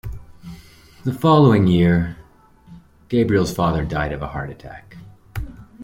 The following year, Gabriel's father died of a heart attack.